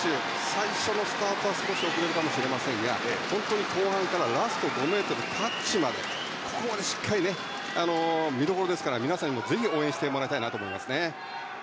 最初のスタートは少し遅れるかもしれませんが後半からラスト５ｍ、タッチまでここをしっかり見どころですから皆さんにもぜひ応援してもらいたいなと思いますね。